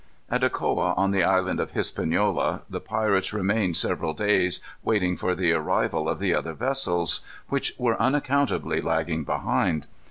At Ocoa, on the Island of Hispaniola, the pirates remained several days waiting for the arrival of the other vessels, which were unaccountably lagging behind.